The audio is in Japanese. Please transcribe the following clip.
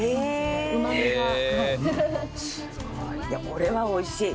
これはおいしい。